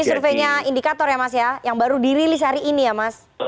ini surveinya indikator ya mas ya yang baru dirilis hari ini ya mas